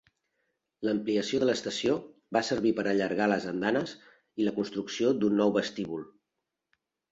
L'ampliació de l'estació va servir per allargar les andanes i la construcció d'un nou vestíbul.